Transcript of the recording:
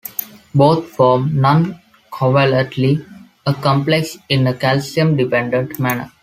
Both form non-covalently a complex in a calcium-dependent manner.